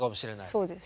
そうです。